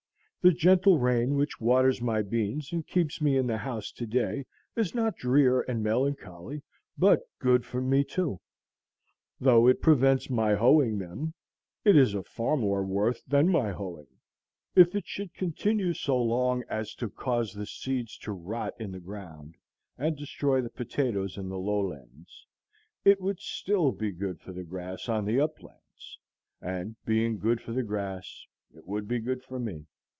The gentle rain which waters my beans and keeps me in the house to day is not drear and melancholy, but good for me too. Though it prevents my hoeing them, it is of far more worth than my hoeing. If it should continue so long as to cause the seeds to rot in the ground and destroy the potatoes in the low lands, it would still be good for the grass on the uplands, and, being good for the grass, it would be good for me.